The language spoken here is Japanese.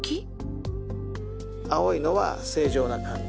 青いのは正常な肝臓。